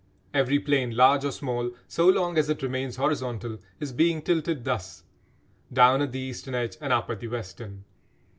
Every plane, large or small, so long as it remains horizontal, is being tilted thus, down at the eastern edge and up at the western.